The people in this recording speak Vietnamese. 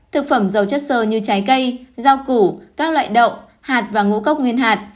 thực phẩm dầu chất sơ như trái cây rau củ các loại đậu hạt và ngũ cốc nguyên hạt